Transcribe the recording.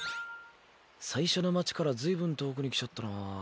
最初の街から随分遠くに来ちゃったな。